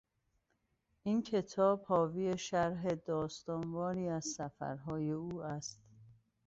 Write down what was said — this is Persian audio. این کتاب حاوی شرح داستان واری از سفرهای او است.